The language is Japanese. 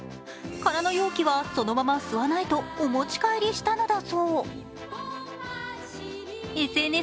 空の容器はそのまま巣穴へとお持ち帰りしたのだそう。